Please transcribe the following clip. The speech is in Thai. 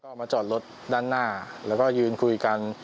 ก็มาจอดรถด้านหน้าแล้วก็ยืนคุยกัน